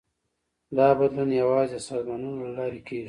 دا بدلون یوازې د سازمانونو له لارې کېږي.